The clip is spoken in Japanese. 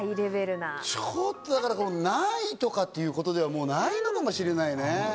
ちょっとだから、何位とかいうことではもう、ないのかもしれないね。